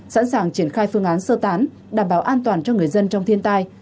sẵn sàng triển khai phương án sơ tán đảm bảo an toàn cho người dân trong thiên tai